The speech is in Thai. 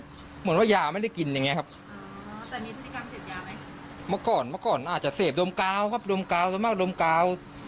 มันเหมือนว่ายามันไม่ได้กินอย่างเงี้ยครับมาก่อนมาก่อนอาจจะเสพดมกาลเขาบทรมานดมกาล